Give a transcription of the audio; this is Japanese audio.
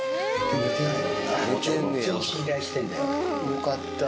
よかった。